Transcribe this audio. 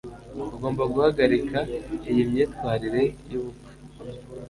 ugomba guhagarika iyi myitwarire yubupfu